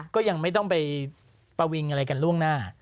ก็ยังไม่ต้องไปประวิงอะไรกันล่วงหน้า